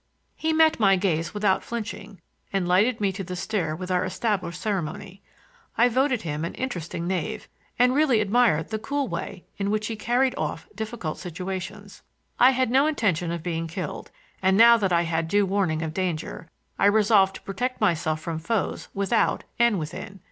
He met my gaze without flinching, and lighted me to the stair with our established ceremony. I voted him an interesting knave and really admired the cool way in which he carried off difficult situations. I had no intention of being killed, and now that I had due warning of danger, I resolved to protect myself from foes without and within.